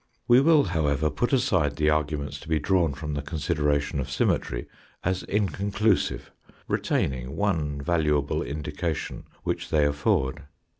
We will, however, put aside the arguments to be drawn from the consideration of symmetry as inconclusive, retaining one valuable indication which they afford.